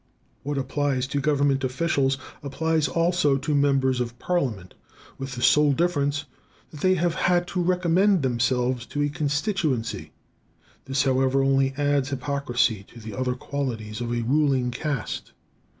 What applies to government officials applies also to members of Parliament, with the sole difference that they have had to recommend themselves to a constituency. This, however, only adds hypocrisy to the other qualities of a ruling caste.